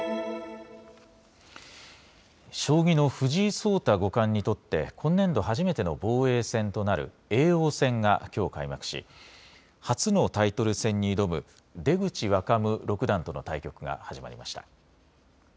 将棋の藤井聡太五冠にとって今年度初めての防衛戦となる叡王戦がきょう開幕し初のタイトル戦に挑む出口若武六段との対局が始まりました。